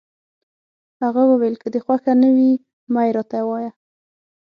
هغه وویل: که دي خوښه نه وي، مه يې راته وایه.